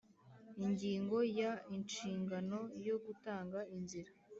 Ingingo ya inshingano yo gutanga inzira